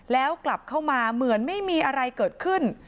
แล้วกลับเข้ามาเหมือนไม่มีอะไรเกิดขึ้น